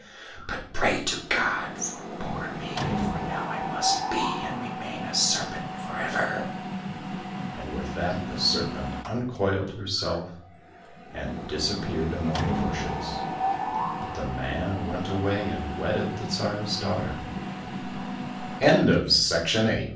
But pray to God for poor me, for now I must be and remain a serpent for ever." And with that the Serpent uncoiled herself and disappeared among the bushes, but the man went away and wed